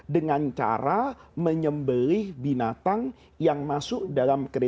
dengan cara menyembelih binatang yang masuk dalam kereta